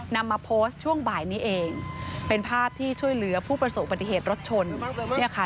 นำมาโพสต์ช่วงบ่ายนี้เองเป็นภาพที่ช่วยเหลือผู้ประสบปฏิเหตุรถชนเนี่ยค่ะ